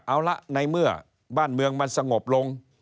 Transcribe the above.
เอาละในเมื่อบ้านเมืองมันสงบลง